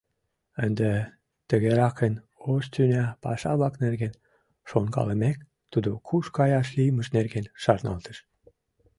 Ынде, тыгеракын ош тӱня паша-влак нерген шонкалымек, тудо куш каяш лиймыж нерген шарналтыш.